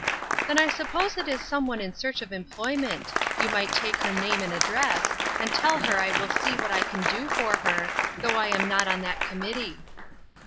"Then I suppose it is some one in search of employment ; you might take her name and address, and tell her I will see what I can do fur her, though I am not on that committee."